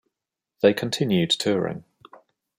They continued touring.